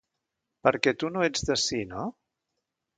Perquè tu no ets d’ací, no?